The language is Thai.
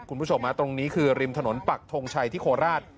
คุณผู้ชมตรงนี้คือริมถนนปักทงชัยที่โคราช